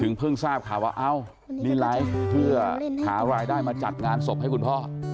ถึงเพิ่งทราบค่ะว่านี่ไล่เพื่อหารายได้มาจัดงานศพให้คุณพ่อ